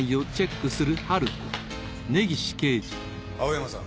青山さん。